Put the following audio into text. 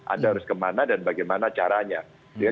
anda harus kemana dan bagaimana caranya